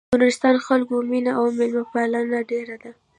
د نورستان خلکو مينه او مېلمه پالنه ډېره ده.